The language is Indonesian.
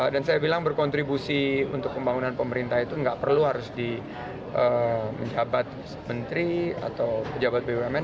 dan saya bilang berkontribusi untuk pembangunan pemerintah itu tidak perlu harus di menjabat menteri atau pejabat bumn